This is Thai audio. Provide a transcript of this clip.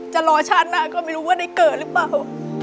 จะรอชาติหน้าก็ไม่รู้ว่าได้เกิดหรือเปล่า